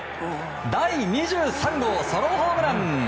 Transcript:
第２３号ソロホームラン！